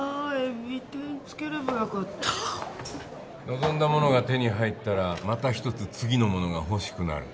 望んだものが手に入ったらまた一つ次のものが欲しくなる。